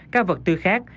các vật tư khác